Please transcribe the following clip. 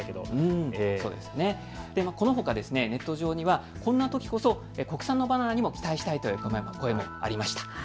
このほかネット上にはこんなときこそ国産のバナナにも期待したいという声もありました。